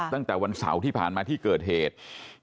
ตั้งแต่วันเสาร์ที่ผ่านมาที่เกิดเหตุ